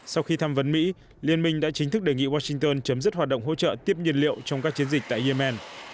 sau khi tham vấn mỹ liên minh đã chính thức đề nghị washington chấm dứt hoạt động hỗ trợ tiếp nhiên liệu trong các chiến dịch tại yemen